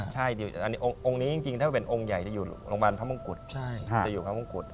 ใช่บูชาองค์นี้จริงถ้าเป็นองค์ใหญ่จะอยู่โรงพยาบาลพระมงกุฎ